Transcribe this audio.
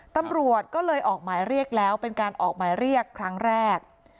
ตำรวจก็เลยออกหมายเรียกแล้วเป็นการออกหมายเรียกครั้งแรก